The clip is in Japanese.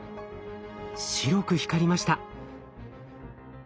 白く光りました。